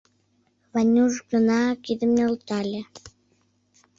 Ванюш гына кидым нӧлтале.